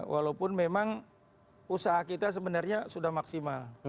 walaupun memang usaha kita sebenarnya sudah maksimal